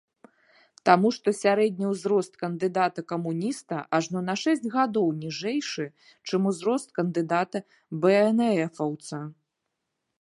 Таму што сярэдні ўзрост кандыдата-камуніста ажно на шэсць гадоў ніжэйшы, чым узрост кандыдата-бээнэфаўца.